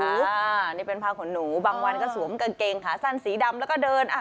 อันนี้เป็นผ้าขนหนูบางวันก็สวมกางเกงขาสั้นสีดำแล้วก็เดินอ่ะ